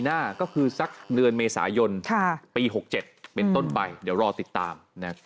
หน้าก็คือสักเดือนเมษายนปี๖๗เป็นต้นไปเดี๋ยวรอติดตาม